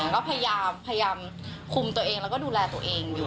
ก็พยายามคุมตัวเองแล้วก็ดูแลตัวเองอยู่